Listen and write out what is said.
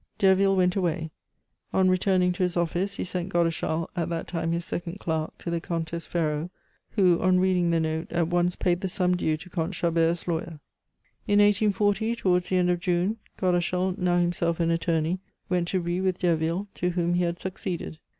Derville went away. On returning to his office, he sent Godeschal, at that time his second clerk, to the Comtesse Ferraud, who, on reading the note, at once paid the sum due to Comte Chabert's lawyer. In 1840, towards the end of June, Godeschal, now himself an attorney, went to Ris with Derville, to whom he had succeeded.